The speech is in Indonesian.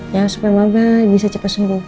ya supaya maga bisa cepat sembuh